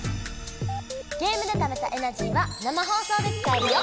ゲームでためたエナジーは生放送で使えるよ！